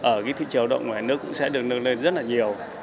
nhiều lao động ngoài nước cũng sẽ được nâng lên rất là nhiều